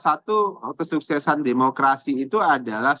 satu kesuksesan demokrasi itu adalah